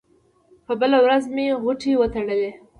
په بله ورځ مې غوټې وتړلې.